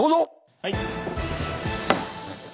はい。